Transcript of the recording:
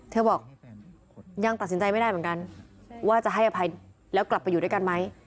เธอบอกยังตัดสินใจไม่ได้เหมือนกันว่าจะให้อภัยแล้วกลับไปอยู่ด้วยกันไหม